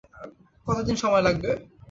কতদিন সময় লাগবে?